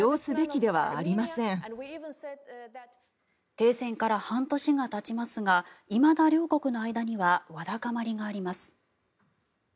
停戦から半年がたちますがいまだ両国の間にはわだかまりがあります。